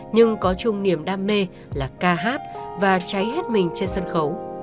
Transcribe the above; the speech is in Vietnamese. nhưng có chung niềm đam mê là ca hát và cháy hết mình trên sân khấu